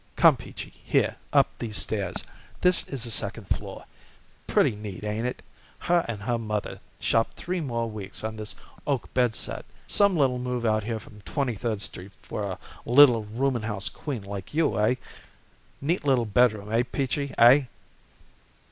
Come, Peachy, here, up these stairs. This is the second floor. Pretty neat, ain't it? Her and her mother shopped three more weeks on this oak bed set. Some little move out here from Twenty third Street for a little rooming house queen like you, eh? Neat little bedroom, eh, Peachy? Eh?"